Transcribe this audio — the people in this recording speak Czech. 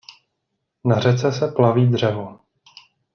Na řece se plaví dřevo.